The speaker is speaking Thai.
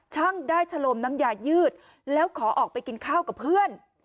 ช่างได้ชะโลมน้ำยายืดแล้วขอออกไปกินข้าวกับเพื่อน